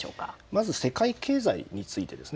まず世界経済についてです。